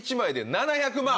７００万。